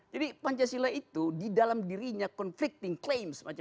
jadi pancasila itu di dalam dirinya conflicting claims